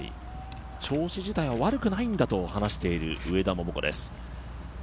調子自体は悪くないんだと話している上田桃子です。